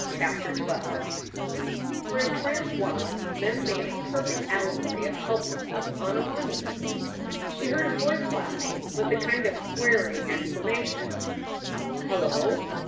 CHAPTER XII FOR a trance while Mem made a perfect allegory of help lessness on a monument. She heard a voice laughing, with a kind of querying exclamation: "Hello?"